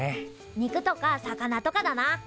肉とか魚とかだな。